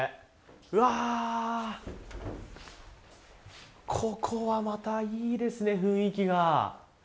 うわ、ここはまたいいですね、雰囲気が。